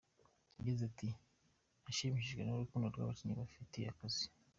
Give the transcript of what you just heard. Yagize ati” Nashimishijwe n’urukundo Abakinnyi bafitiye akazi.